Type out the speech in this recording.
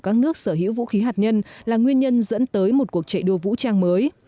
các nước sở hữu vũ khí hạt nhân là nguyên nhân dẫn tới một cuộc chạy đua vũ trang mới